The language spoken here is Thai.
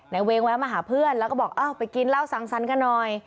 ในเวงแวะมาหาเพื่อนแล้วก็บอกไปกินเล่าซังซันกันหน่อย